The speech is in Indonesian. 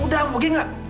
udah mungkin nggak